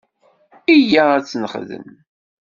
Iyya ad tt-nexdem!